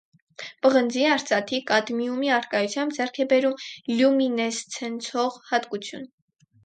Պղնձի, արծաթի, կադմիումի առկայությամբ ձեռք է բերում լյումինեսցենցող հատկություն։